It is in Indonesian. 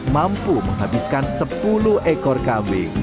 mampu menghabiskan sepuluh ekor kambing